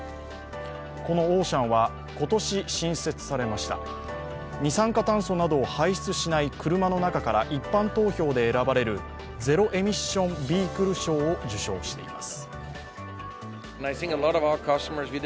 このオーシャンは今年新設されました二酸化炭素などを排出しない車の中から一般投票で選ばれるゼロ・エミッション・ビークル賞を受賞しています。